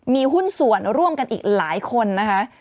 มีหุ้นส่วนร่วมกันอีกหลายคนนะคะ